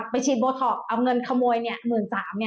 ไปฉีดโบท็อกเอาเงินขโมย๑๓๐๐บาท